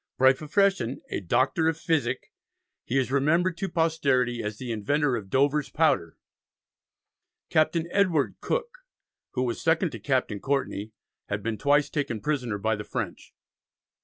By profession "a Doctor of Physick," he is remembered to posterity as the inventor of "Dover's Powder"; Captain Edward Cooke, who was second to Captain Courtney, had been twice taken prisoner by the French.